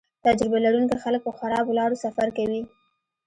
تجربه لرونکي خلک په خرابو لارو سفر کوي